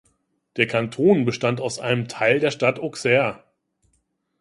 Der Kanton bestand aus einem Teil der Stadt Auxerre.